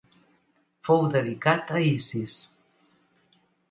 Fou dedicat a Isis.